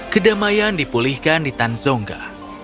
kedamaian dipulihkan di tanzonga